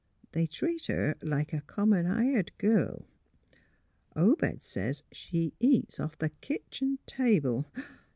" They treat her like a common hired girl; Obed says, she eats off the kitchen table.